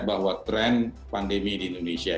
bahwa tren pandemi di indonesia